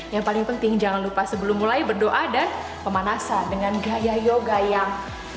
yang paling penting jangan lupa sebelum mulai berdoa dan pemanasan dengan gaya yoga yang